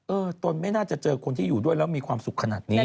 ตนไม่น่าจะเจอคนที่อยู่ด้วยแล้วมีความสุขขนาดนี้